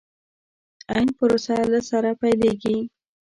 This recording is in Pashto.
عين پروسه له سره پيلېږي.